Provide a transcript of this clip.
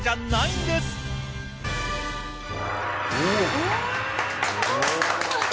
え！